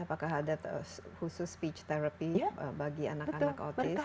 apakah ada khusus speech therapy bagi anak anak autis